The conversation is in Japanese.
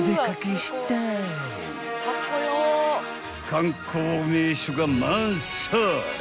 ［観光名所が満載］